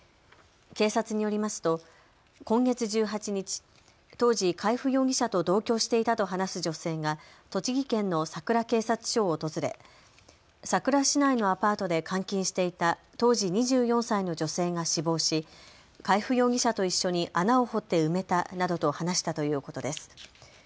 警察によりますと今月１８日、当時、海部容疑者と同居していたと話す女性が栃木県のさくら警察署を訪れさくら市内のアパートで監禁していた当時２４歳の女性が死亡し、海部容疑者と一緒に穴を掘って埋めたなどと話したということです。